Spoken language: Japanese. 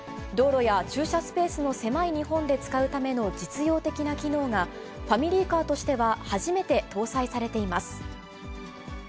道路や駐車スペースの狭い日本で使うための実用的な機能がファミリーカーとしては初めて搭載されています。